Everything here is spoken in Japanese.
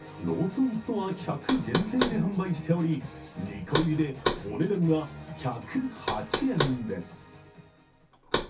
ローソンストア１００限定で販売しており２個入りでお値段が１０８円です。